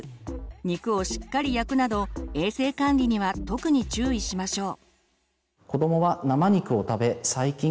肉をしっかり焼くなど衛生管理には特に注意しましょう。